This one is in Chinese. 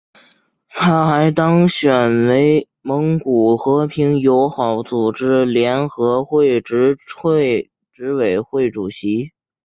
他还当选为蒙古和平与友好组织联合会执委会主席。